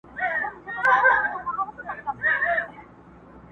که پتنګ پرما کباب سو زه هم و سوم ایره سومه.